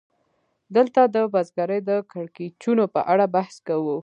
دلته د بزګرۍ د کړکېچونو په اړه بحث کوو